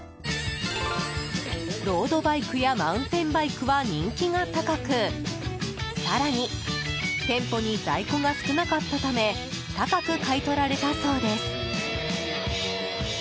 ロードバイクやマウンテンバイクは人気が高く更に店舗に在庫が少なかっため高く買い取られたそうです。